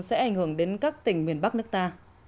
sẽ ảnh hưởng đến các tỉnh miền bắc nước ta